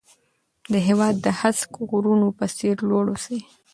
د هېواد د هسک غرونو په څېر لوړ اوسئ.